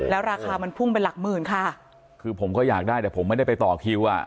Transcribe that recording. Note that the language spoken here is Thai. แล้วราคามันพุ่งเป็นหลักหมื่นค่ะคือผมก็อยากได้แต่ผมไม่ได้ไปต่อคิวอ่ะ